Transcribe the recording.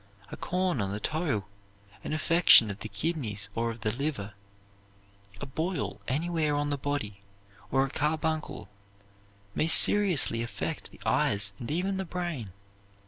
A corn on the toe, an affection of the kidneys or of the liver, a boil anywhere on the body, or a carbuncle, may seriously affect the eyes and even the brain.